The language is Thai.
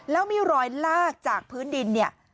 แล้วมีรอยลากจากพื้นดิน